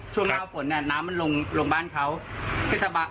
ช่วงหน้าฝนเนี่ยน้ำมันลงลงบ้านเขาเทศบาล